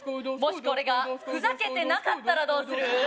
もしこれがふざけてなかったらどうする？